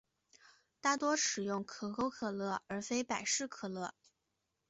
大多使用可口可乐而非百事可乐。